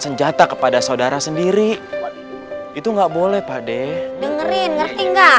senjata kepada saudara sendiri itu enggak boleh pakai dengerin ngerjain sedikit lagi ya pakde